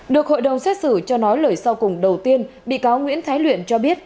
được hội đồng xét xử cho nói lời sau cùng đầu tiên bị cáo nguyễn thái luyện cho biết